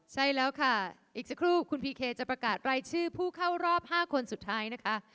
ใช่แล้วค่ะอีกสักครู่คุณพีเคจะประกาศรายชื่อผู้เข้ารอบ๕คนสุดท้ายนะคะ